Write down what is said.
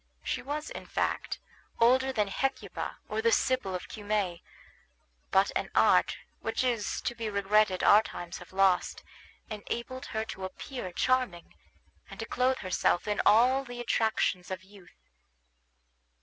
She was, in fact, older than Hecuba or the Sibyl of Cumae; but an art, which it is to be regretted our times have lost, enabled her to appear charming, and to clothe herself in all the attractions of youth.